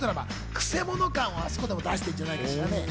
くせ者感をあそこで出してるじゃないですかね。